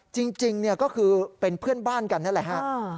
จริงก็คือเป็นเพื่อนบ้านกันนั่นแหละฮะ